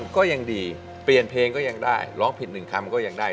ก็ยังดีเปลี่ยนเพลงก็ยังได้ร้องผิดหนึ่งคำก็ยังได้